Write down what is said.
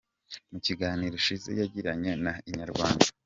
Mu kiganiro Shizzo yagiranye na Inyarwanda.